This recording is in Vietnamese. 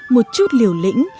một chút liều lĩnh